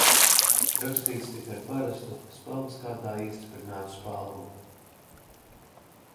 Rakstīts tika ar parastu, spalvaskātā iestiprinātu spalvu.